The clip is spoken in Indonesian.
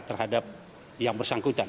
terhadap yang bersangkutan